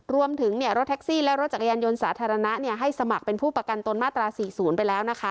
รวมถึงรถแท็กซี่และรถจักรยานยนต์สาธารณะให้สมัครเป็นผู้ประกันตนมาตรา๔๐ไปแล้วนะคะ